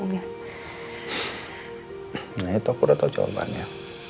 nah itu aku udah tau jawabannya